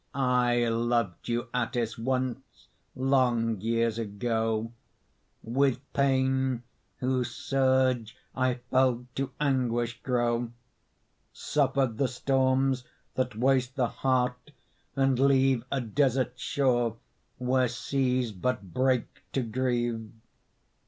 I loved you, Atthis, once, long years ago! With pain whose surge I felt to anguish grow; Suffered the storms that waste the heart and leave A desert shore where seas but break to grieve.